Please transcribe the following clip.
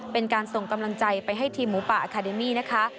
เป็นการส่งกำลังใจไปให้ทีมหมูป่าอาคาเดมี่นะคะ